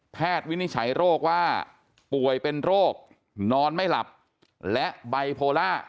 วินิจฉัยโรคว่าป่วยเป็นโรคนอนไม่หลับและไบโพล่า